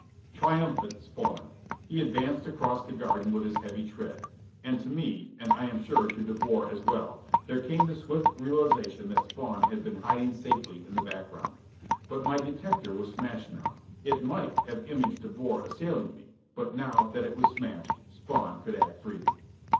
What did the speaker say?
Triumphant Spawn! He advanced across the garden with his heavy tread. And to me, and I am sure to De Boer as well, there came the swift realization that Spawn had been hiding safely in the background. But my detector was smashed now. It might have imaged De Boer assailing me: but now that it was smashed, Spawn could act freely.